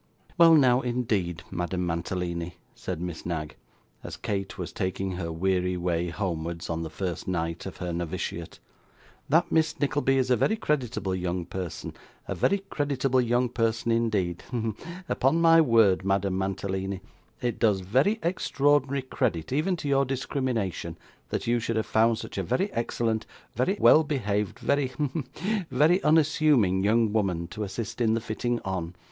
'Well, now, indeed, Madame Mantalini,' said Miss Knag, as Kate was taking her weary way homewards on the first night of her novitiate; 'that Miss Nickleby is a very creditable young person a very creditable young person indeed hem upon my word, Madame Mantalini, it does very extraordinary credit even to your discrimination that you should have found such a very excellent, very well behaved, very hem very unassuming young woman to assist in the fitting on.